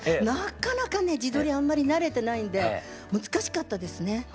なかなかね自撮りあんまり慣れてないんで難しかったですね。